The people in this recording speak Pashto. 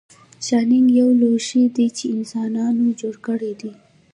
ښانک یو لوښی دی چې انسانانو جوړ کړی دی